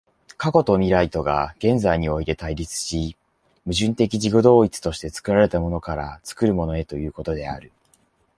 過去と未来とが現在において対立し、矛盾的自己同一として作られたものから作るものへということである。